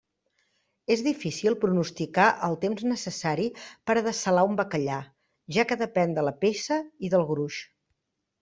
És difícil pronosticar el temps necessari per a dessalar un bacallà, ja que depèn de la peça i del gruix.